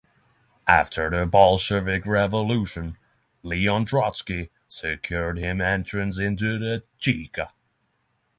After the Bolshevik Revolution, Leon Trotsky secured him entrance into the Cheka.